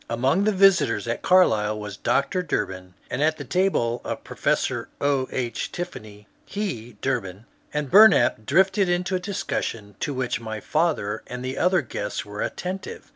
Among the visitors at Carlisle was Dr. Durbin, and at the table of Professor O. H. Tiffany he (Durbin) and Bumap drifted into a discussion to which my father and other guests were attentive.